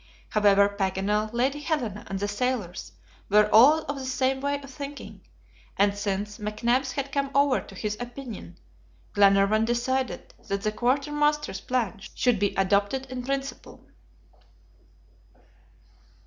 However, Paganel, Lady Helena, and the sailors were all of the same way of thinking; and since McNabbs had come over to his opinion, Glenarvan decided that the quartermaster's plan should be adopted in principle.